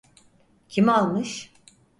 Kim almış?